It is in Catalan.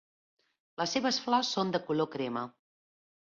Les seves flors són de color crema.